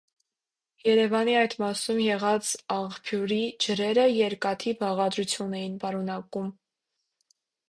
Երևանի այդ մասում եղած աղբյուրի ջրերը՝ երկաթի բաղադրություն էին պարունակում։